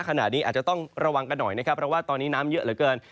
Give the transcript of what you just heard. ขณะนี้อาจจะต้องระวังกันหน่อยนะครับเพราะว่าตอนนี้น้ำเยอะเหลือเกิน